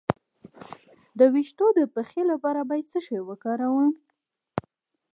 د ویښتو د پخې لپاره باید څه شی وکاروم؟